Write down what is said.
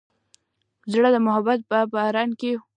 زړه د محبت په باران غوړېږي.